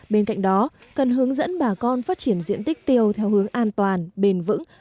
bên cạnh đó cần hướng dẫn bà con phát triển diện tích tiêu theo hướng an toàn bền vững